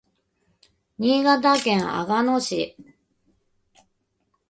新潟県阿賀野市